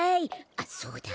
あっそうだ。